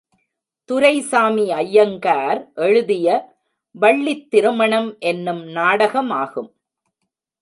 துரைசாமி ஐயங்கார் எழுதிய வள்ளித் திருமணம் எனும் நாடகமாகும்.